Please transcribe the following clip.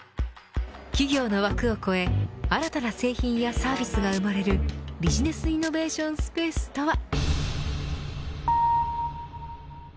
企業の枠を超え新たな製品やサービスが生まれるビジネスイノベーションスペースとは。